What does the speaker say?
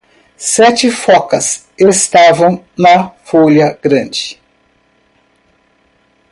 Sete focas estavam na folha grande.